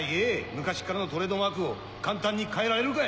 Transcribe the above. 昔からのトレードマークを簡単に変えられるか。